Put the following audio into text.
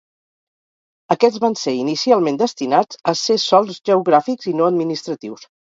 Aquests van ser inicialment destinats a ser sols geogràfics i no administratius.